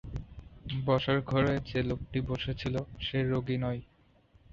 বসার ঘরে যে লোকটি বসে ছিল, সে রোগী নয়।